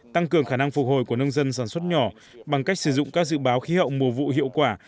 tăng cường khả năng phục hồi của nông dân sản xuất nhỏ bằng cách sử dụng các dự báo khí hậu mùa vụ hiệu quả